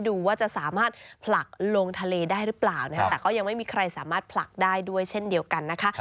ดูว่าจะสามารถผลักลงทะเลได้หรือเปล่านะคะแต่ก็ยังไม่มีใครสามารถผลักได้ด้วยเช่นเดียวกันนะคะ